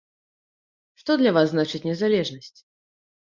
Што для вас значыць незалежнасць?